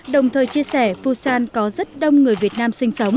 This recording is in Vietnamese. đồng thời chia sẻ busan có rất đông người việt nam sinh